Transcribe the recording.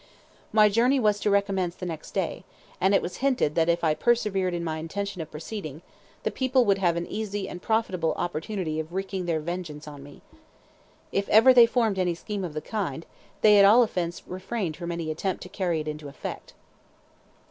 My journey was to recommence the next day, and it was hinted that if I preservered in my intention of proceeding, the people would have an easy and profitable opportunity of wreaking their vengeance on me. If ever they formed any scheme of the kind, they at all events refrained from any attempt to carry it into effect.